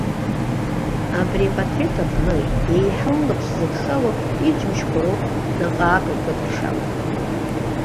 Абри апатреҭ аҟны еиҳа улаԥш зыдхало иџьымшьқәа роуп, наҟ-ааҟ икыдыршалан.